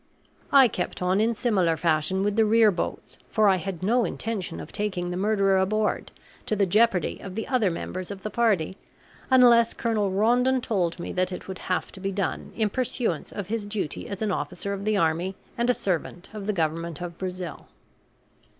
I kept on in similar fashion with the rear boats, for I had no intention of taking the murderer aboard, to the jeopardy of the other members of the party, unless Colonel Rondon told me that it would have to be done in pursuance of his duty as an officer of the army and a servant of the Government of Brazil.